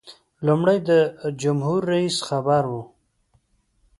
لومړی د جمهور رئیس خبر و.